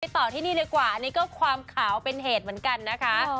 ต่อที่นี่ดีกว่าอันนี้ก็ความขาวเป็นเหตุเหมือนกันนะคะ